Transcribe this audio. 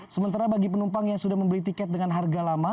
sementara bagi penumpang yang sudah membeli tiket dengan harga lama